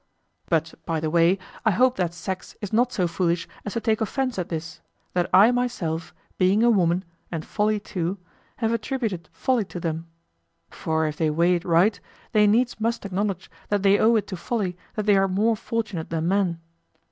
But, by the way, I hope that sex is not so foolish as to take offense at this, that I myself, being a woman, and Folly too, have attributed folly to them. For if they weigh it right, they needs must acknowledge that they owe it to folly that they are more fortunate than men.